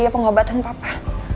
iya pengobatannya papa